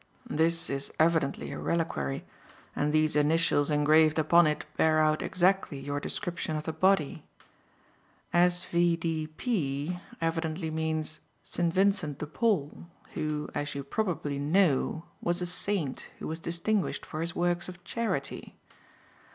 This is evidently a reliquary, and these initials engraved upon it bear out exactly your description of the body. S.V.D.P evidently means St. Vincent de Paul, who, as you probably know, was a saint who was distinguished for his works of charity.